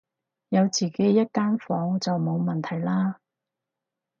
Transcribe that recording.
有自己一間房就冇問題啦